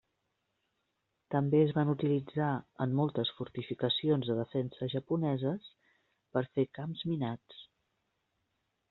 També es van utilitzar en moltes fortificacions de defensa japoneses, per fer camps minats.